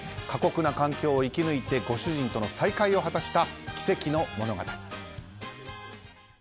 過酷な環境を生き抜いてご主人との再会を果たした奇跡の物語。